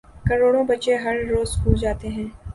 کروڑوں بچے ہر روزسکول جا تے ہیں۔